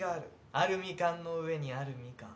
アルミ缶の上にあるミカン。